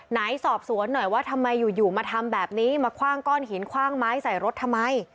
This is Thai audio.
ไหนสอบสวนหน่อยว่าทำไมอยู่มาทำแบบนี้มาคว่างก้อนหินคว่างไม้ใส่รถทำไม